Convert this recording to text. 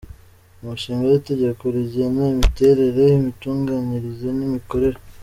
Umushinga w’Itegeko rigena imiterere, imitunganyirize n’imikorere.